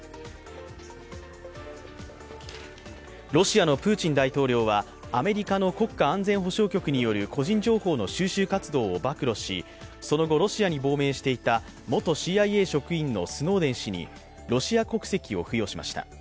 ロシアのプーチン大統領はアメリカの国家安全保障局による個人情報の収集活動を暴露しその後、ロシアに亡命していた元ＣＩＡ職員のスノーデン氏にロシア国籍を付与しました。